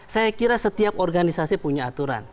saya kira setiap organisasi punya aturan